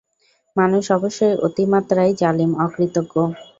মানুষ অবশ্যই অতিমাত্রায় জালিম, অকৃতজ্ঞ।